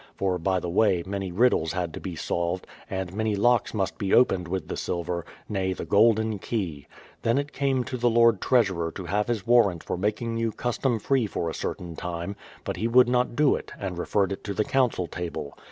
For, by the way, many riddles had to be solved, and many locks must be opened with the silver, nay, the golden key! Then it came to the Lord Treasurer, to have his warrant for making you custom free for a certain time ; but he would not do it, and referred it to the Council Table.